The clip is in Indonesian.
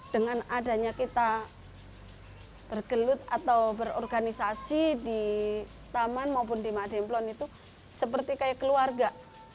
dengan adanya kita bergelut atau berorganisasi di taman maupun di makdemplon itu seperti kayak keluarga